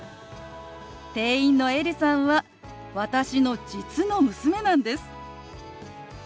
店員のエリさんは私の実の娘なんです。